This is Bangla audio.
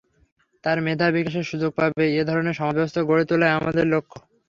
তারা মেধা বিকাশের সুযোগ পাবে—এ ধরনের সমাজব্যবস্থা গড়ে তোলাই আমাদের লক্ষ্য।